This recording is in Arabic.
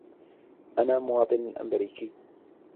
أنا مواطن أمريكي.